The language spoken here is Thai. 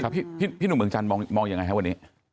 พี่หนุ่มเมืองชันมองอย่างไรครับวันนี้